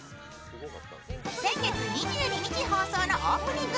先月２２日放送のオープニング。